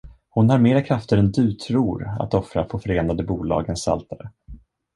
Hon har mera krafter än du tror att offra på Förenade Bolagens altare.